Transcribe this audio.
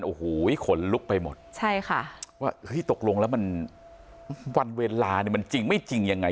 โอ้โหขนลุกไปหมดใช่ค่ะว่าเฮ้ยตกลงแล้วมันวันเวลาเนี่ยมันจริงไม่จริงยังไง